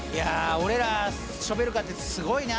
俺らショベルカーってすごいな！